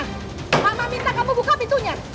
mama minta kamu buka pintunya